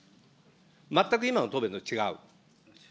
全く今の答弁と違う。